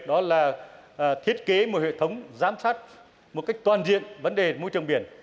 đó là thiết kế một hệ thống giám sát một cách toàn diện vấn đề môi trường biển